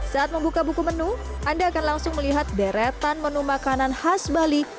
saat membuka buku menu anda akan langsung melihat deretan menu makanan khas bali